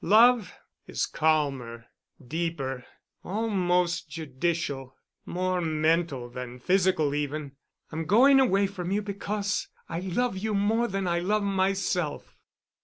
Love is calmer, deeper, almost judicial, more mental than physical even.... I'm going away from you because I love you more than I love myself."